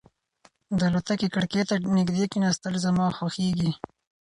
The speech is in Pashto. د الوتکې کړکۍ ته نږدې کېناستل زما خوښېږي.